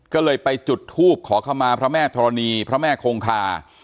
ก็เลยไปจุดทูบขอเข้ามาพระแม่ธรณีพระแม่คงคา